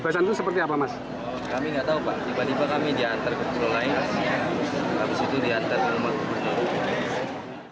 habis itu diantar ke rumah